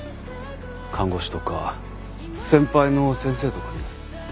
看護師とか先輩の先生とかに。